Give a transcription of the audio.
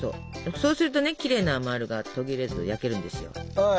そうするとねきれいなまるが途切れず焼けるんですよ。